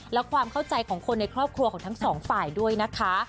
และความเข้าใจของคนในครอบครัวของทั้งสองฝ่ายด้วยนะคะ